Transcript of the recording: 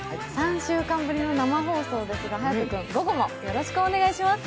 ３週間ぶりの生放送ですが、颯君、よろしくお願いします。